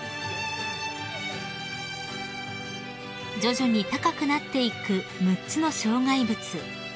［徐々に高くなっていく６つの障害物］